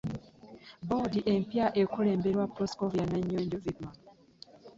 Bboodi empya ekulemberwa Proscovia Nanyonjo Vikman